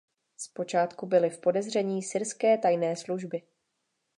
Zpočátku byly v podezření syrské tajné služby.